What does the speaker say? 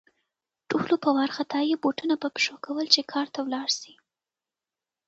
ټولو په وارخطايي بوټونه په پښو کول چې کار ته لاړ شي